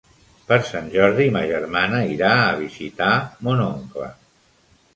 Per Sant Jordi ma germana irà a visitar mon oncle.